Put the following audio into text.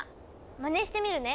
まねしてみるね。